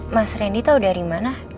mas randy tahu dari mana